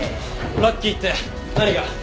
ラッキーって何が？